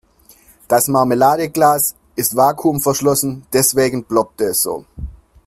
Das Marmeladenglas ist vakuumverschlossen, deswegen ploppt es so.